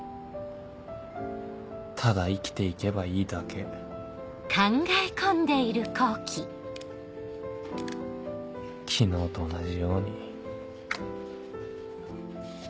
ただ生きていけばいいだけ昨日と同じように